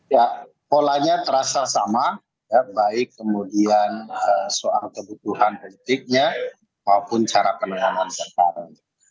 ya polanya terasa sama baik kemudian soal kebutuhan politiknya maupun cara penanganan perkara